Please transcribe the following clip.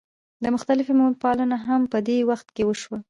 د مختلفو میوو پالنه هم په دې وخت کې وشوه.